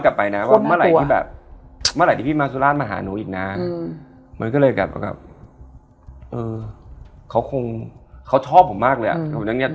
แบบหนักที่แบบ